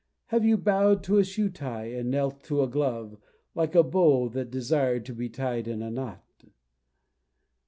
Have you bow'd to a shoe tie, and knelt to a glove, Like a beau that desired to be tied in a knot?